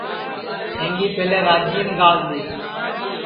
سینگی پیہلے راجِئین گاݪ دؔی